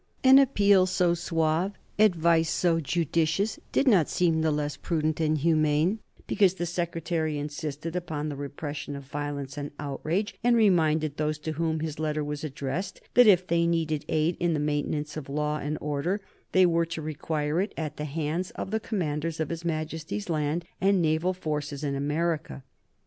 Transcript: An appeal so suave, advice so judicious, did not seem the less prudent and humane because the Secretary insisted upon the repression of violence and outrage and reminded those to whom his letter was addressed that if they needed aid in the maintenance of law and order they were to require it at the hands of the commanders of his Majesty's land and naval forces in America.